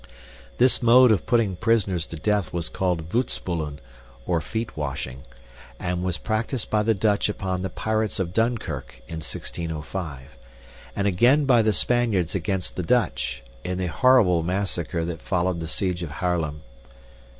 This mode of putting prisoners to death was called voetspoelen, or feet washing, and was practiced by the Dutch upon the pirates of Dunkirk in 1605; and again by the Spaniards against the Dutch, in the horrible massacre that followed the siege of Haarlem.